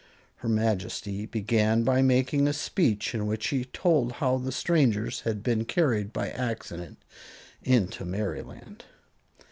Her Majesty began by making a speech, in which she told how the strangers had been carried by accident into Merryland.